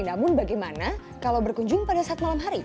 namun bagaimana kalau berkunjung pada saat malam hari